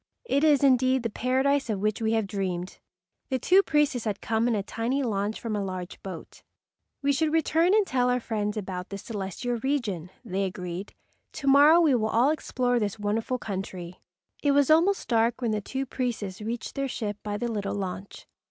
"It is indeed the Paradise of which we have dreamed." The two priests had come in a tiny launch from a large boat. "We should return and tell our friends about this celestial region," they agreed. "To morrow we will all explore this wonderful country." It was almost dark when the two priests reached their ship by the little launch.